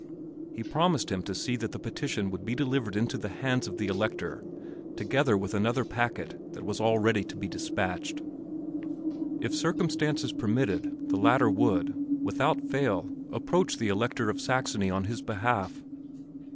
He promised him to see that the petition would be delivered into the hands of the Elector together with another packet that was all ready to be dispatched; if circumstances permitted, the latter would, without fail, approach the Elector of Saxony on his behalf.